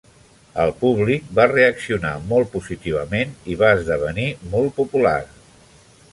El públic va reaccionar molt positivament i va esdevenir molt popular.